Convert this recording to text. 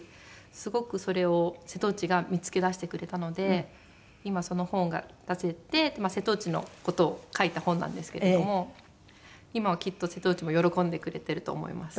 すごくそれを瀬戸内が見付けだしてくれたので今その本が出せて瀬戸内の事を書いた本なんですけれども今はきっと瀬戸内も喜んでくれてると思います。